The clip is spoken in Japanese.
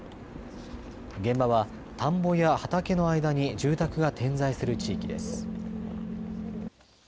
現場は田んぼや畑の間に住宅が点在する地域です。